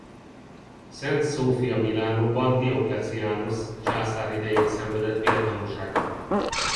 Szent Szófia Milánóban Diocletianus császár idején szenvedett vértanúságot.